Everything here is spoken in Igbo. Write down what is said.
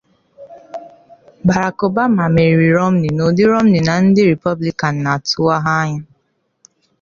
Barack Obama meriri Romney n’ụdị Romney na ndị Rịpọblịkan na-atụwaha anya